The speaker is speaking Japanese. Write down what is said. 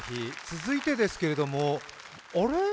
続いてですけれども、あれ？